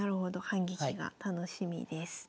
反撃が楽しみです。